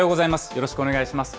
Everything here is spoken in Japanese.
よろしくお願いします。